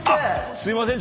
すいません。